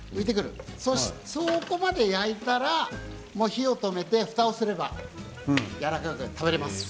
そこまで焼いたら火を止めて、ふたをすればやわらかく食べられます。